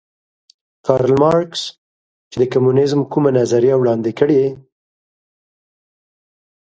کارل مارکس چې د کمونیزم کومه نظریه وړاندې کړې